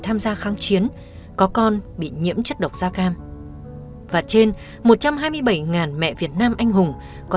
tham gia kháng chiến có con bị nhiễm chất độc da cam và trên một trăm hai mươi bảy mẹ việt nam anh hùng có